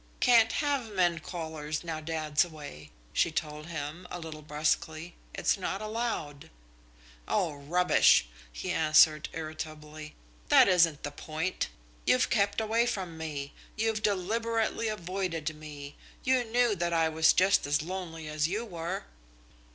"Can't have men callers now dad's away," she told him, a little brusquely. "It's not allowed." "Oh, rubbish!" he answered irritably. "That isn't the point. You've kept away from me. You've deliberately avoided me. You knew that I was just as lonely as you were."